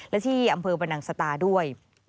และที่อำเภอบรรนังสตาด้วย